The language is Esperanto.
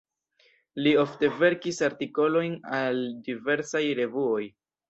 Li ofte verkis artikolojn al diversaj revuoj.